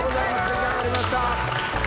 出来上がりました。